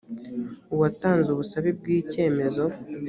uwatanze ubusabe bw’icyemezo